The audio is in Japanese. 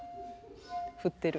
振ってる。